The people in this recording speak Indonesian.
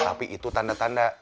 tapi itu tanda tanda